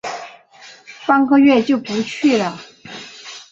半个月就不去了